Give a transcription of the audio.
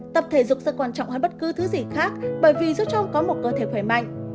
tập thể dục rất quan trọng hơn bất cứ thứ gì khác bởi vì giúp cho ông có một cơ thể khỏe mạnh